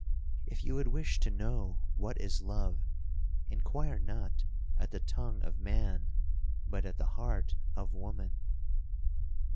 If you would wish to know what is love, inquire not at the tongue of man, but at the heart of woman.'